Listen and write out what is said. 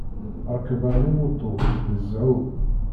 Rrekba n umuṭu d zzhu.